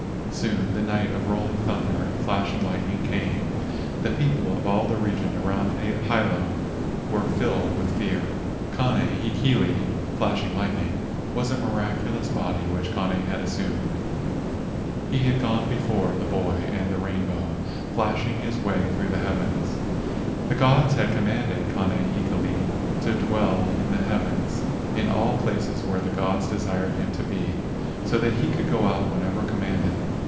Soon the night of rolling thunder and flashing lightning came. The people of all the region around Hilo were filled with fear. Kane hekili (flashing lightning) was a miraculous body which Kane had assumed. He had gone before the boy and the rainbow, flashing his way through the heavens. THE MAID OF THE GOLDEN CLOUD 125 The gods had commanded Kane hekili to dwell in the heavens in all places wherever the gods desired him to be, so that he could go wherever commanded.